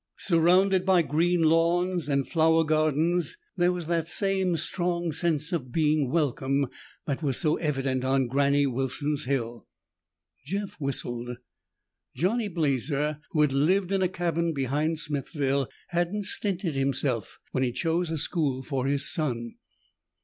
Surrounded by green lawns and flower gardens, there was the same strong sense of being welcome that was so evident on Granny Wilson's hill. Jeff whistled. Johnny Blazer, who had lived in a cabin behind Smithville, hadn't stinted himself when he chose a school for his son.